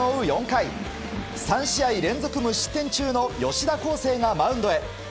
４回３試合連続無失点中の吉田輝星がマウンドへ。